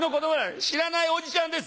「知らないおじちゃんです」